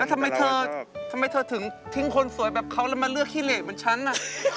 ทำไมเธอทำไมเธอถึงทิ้งคนสวยแบบเขาแล้วมาเลือกขี้เหลกเหมือนฉันน่ะ